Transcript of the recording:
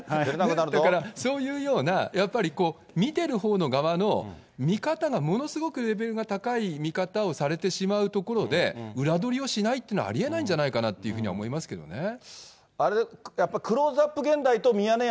ですから、そういうようなやっぱり、見てるほうの側の見方がものすごくレベルが高い見方をされてしまうところで、裏取りをしないというのは、ありえないんじゃないかなっていうふやっぱ、クローズアップ